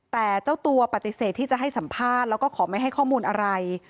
แต่เจ้าตัวปฏิเสธที่จะให้สัมภาษณ์แล้วก็ขอไม่ให้ข้อมูลอะไร